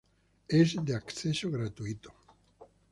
Es de acceso gratuito.